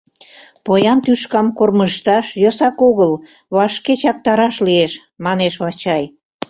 — Поян тӱшкам кормыжташ йӧсак огыл, вашке чактараш лиеш, — манеш Вачай.